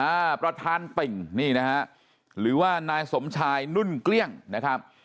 อ่าประธานติ่งนี่นะฮะหรือว่านายสมชายนุ่นเกลี้ยงนะครับ